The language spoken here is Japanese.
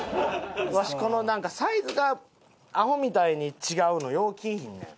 わしこのなんかサイズがアホみたいに違うのよう着いひんねん。